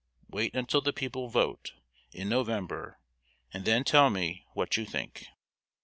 Wait until the people vote, in November, and then tell me what you think."